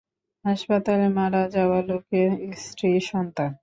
হাসপাতালে মারা যাওয়া লোকের স্ত্রী-সন্তান।